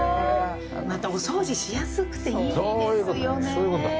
またお掃除しやすくていいですよね。